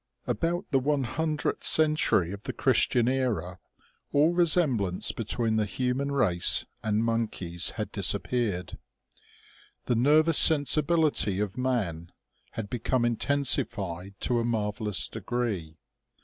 ABOUT the one hundredth century of the Christian era all resemblance between the hu man race and monkeys had disappeared. The nervous sensibility of man had become intensified to a marvellous degree.